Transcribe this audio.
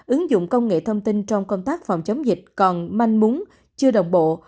ứng dụng công nghệ thông tin trong công tác phòng chống dịch còn manh muốn chưa đồng bộ